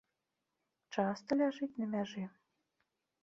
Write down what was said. Часта ляжыць на мяжы.